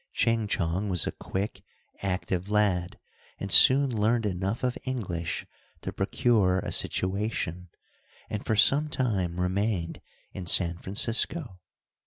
Ching Chong was a quick, active lad, and soon learned enough of English to procure a situation, and for some time remained in San Francisco.